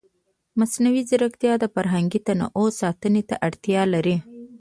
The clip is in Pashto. مصنوعي ځیرکتیا د فرهنګي تنوع ساتنې ته اړتیا لري.